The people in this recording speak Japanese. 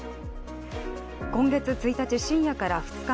今月１日、深夜から２日